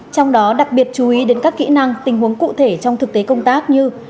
trong đó đặc biệt chú ý đến các kỹ năng tình huống cụ thể trong thực tế công tác như